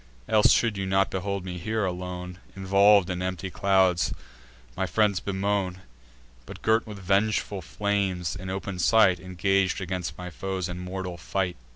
Else should you not behold me here, alone, Involv'd in empty clouds, my friends bemoan, But, girt with vengeful flames, in open sight Engag'd against my foes in mortal fight.